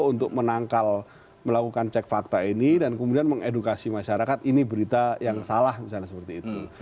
untuk menangkal melakukan cek fakta ini dan kemudian mengedukasi masyarakat ini berita yang salah misalnya seperti itu